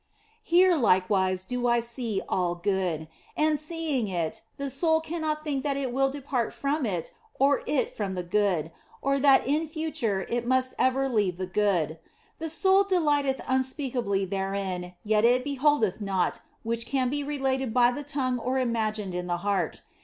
Here, likewise, do I see all Good ; and seeing it, the soul cannot think that it will depart from it or it from the Good, or that in future it must ever leave the Good. The soul delighteth unspeakably therein, yet it beholdeth naught which can be related by the tongue or imagined in the heart.